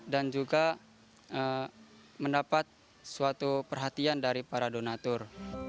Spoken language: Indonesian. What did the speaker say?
dan juga mendapat suatu perhatian dari para donatur